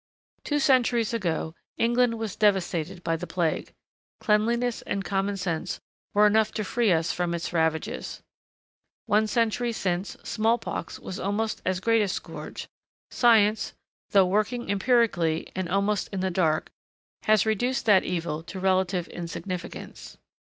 Two centuries ago England was devastated by the plague; cleanliness and common sense were enough to free us from its ravages. One century since, small pox was almost as great a scourge; science, though working empirically, and almost in the dark, has reduced that evil to relative insignificance.